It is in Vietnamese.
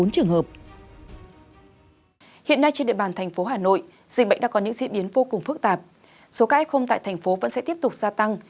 sự biến phô cùng phức tạp số ca f tại thành phố vẫn sẽ tiếp tục gia tăng